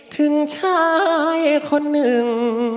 ถึงใช้คนไหน